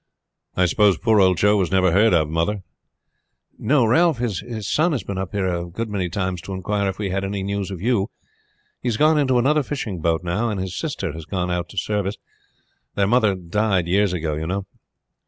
"I suppose poor old Joe was never heard of, mother?" "No, Ralph. His son has been up here a good many times to inquire if we had any news of you. He has gone into another fishing boat now, and his sister has gone out to service. Their mother died years ago, you know."